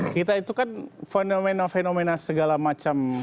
kita itu kan fenomena fenomena segala macam